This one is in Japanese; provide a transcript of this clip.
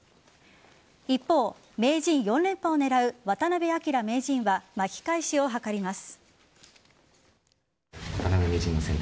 一方、名人４連覇を狙う渡辺明名人は巻き返しを図ります。